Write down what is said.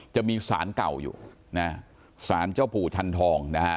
จะมีศาลเก่าอยู่ศาลเจ้าปู่จันทอง